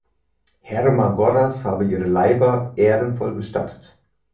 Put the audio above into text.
Hermagoras habe ihre Leiber ehrenvoll bestattet.